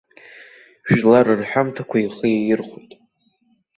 Жәлар рҳәамҭақәа ихы иаирхәеит.